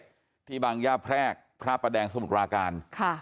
แยกเจ็ดที่บางยาแพรกพระประแดงสมุทราการ